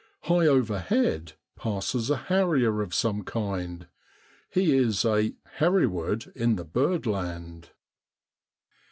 High overhead passes a harrier of some kind he is a Hereward in bird land!